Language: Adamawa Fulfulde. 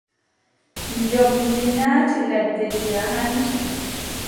Njoɓndi naati ladde diga haŋki.